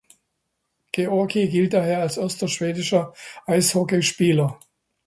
Georgii gilt daher als erster schwedischer Eishockeyspieler.